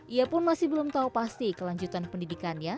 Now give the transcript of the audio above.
ia pun masih belum tahu pasti kelanjutan pendidikannya